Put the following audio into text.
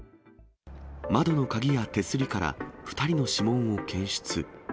窓の鍵や手すりから２人の指紋を検出。